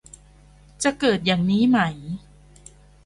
จะเกิดอย่างนี้ไหม ?